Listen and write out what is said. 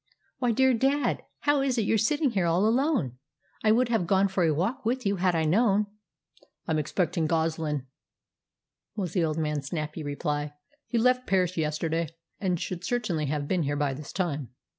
"Why, dear dad, how is it you're sitting here all alone? I would have gone for a walk with you had I known." "I'm expecting Goslin," was the old man's snappy reply. "He left Paris yesterday, and should certainly have been here by this time.